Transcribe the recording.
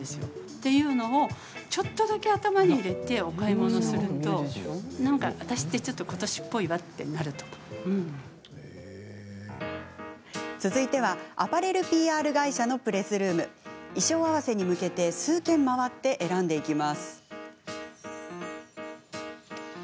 っていうのを、ちょっとだけ頭に入れてお買い物すると続いては、アパレルＰＲ会社のプレスルーム。衣装合わせに向けて数軒回って選んでいきます。